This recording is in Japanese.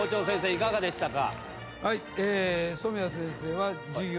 いかがでしたか？